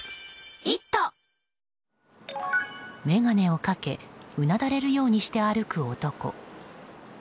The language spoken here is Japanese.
眼鏡をかけうなだれるようにして歩く男。